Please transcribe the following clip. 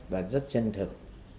và rất chân thực